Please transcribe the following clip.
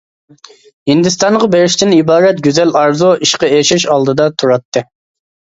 ھىندىستانغا بېرىشتىن ئىبارەت گۈزەل ئارزۇ ئىشقا ئېشىش ئالدىدا تۇراتتى.